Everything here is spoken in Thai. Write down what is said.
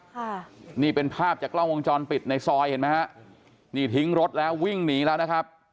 ค่ะนี่เป็นภาพจากกล้องวงจรปิดในซอยเห็นไหมฮะนี่ทิ้งรถแล้ววิ่งหนีแล้วนะครับ